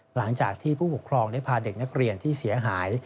หลังจากที่ผู้ปกครองได้พาเด็กนักเรียนที่เสียหาย